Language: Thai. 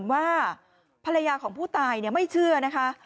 ว่าภรรยาของผู้ตายไม่เชื่อนะคะ